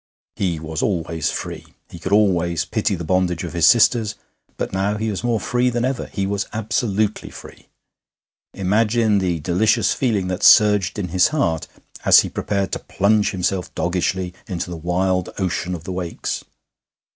He was always free; he could always pity the bondage of his sisters; but now he was more free than ever he was absolutely free. Imagine the delicious feeling that surged in his heart as he prepared to plunge himself doggishly into the wild ocean of the Wakes.